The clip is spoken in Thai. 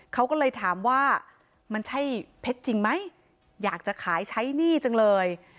เขาก็เลยถามว่ามันใช่เพชรจริงไหมอยากจะขายใช้หนี้จังเลย